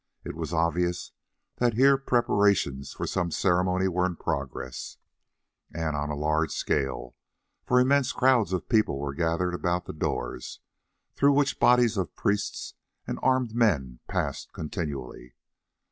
It was obvious that here preparations for some ceremony were in progress, and on a large scale, for immense crowds of people were gathered about the doors, through which bodies of priests and armed men passed continually.